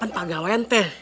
apa gawe tuh